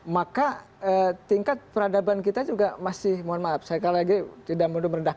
maka tingkat peradaban kita juga masih rendah